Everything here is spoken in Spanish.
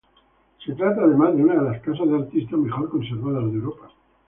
Se trata además de una de las casas de artista mejor conservadas de Europa.